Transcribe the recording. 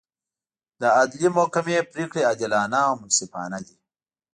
د عدلي محکمې پرېکړې عادلانه او منصفانه دي.